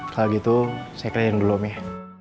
kalau gitu saya kirain dulu om ya